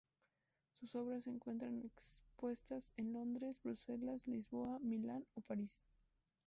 Sus obras se encuentran expuestas en Londres, Bruselas, Lisboa, Milán o París.